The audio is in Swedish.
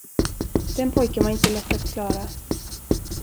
Den pojken var inte lätt att klara.